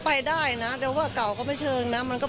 พูดสิทธิ์ข่าวธรรมดาทีวีรายงานสดจากโรงพยาบาลพระนครศรีอยุธยาครับ